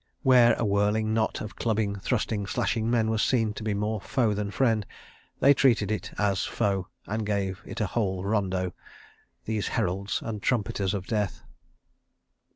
Where a whirling knot of clubbing, thrusting, slashing men was seen to be more foe than friend they treated it as foe and gave it a whole rondo—these heralds and trumpeters of Death.